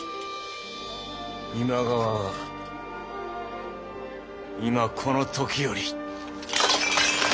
今川は今この時より。